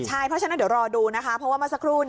ใช่เพราะฉะนั้นเดี๋ยวรอดูนะคะเพราะว่าเมื่อสักครู่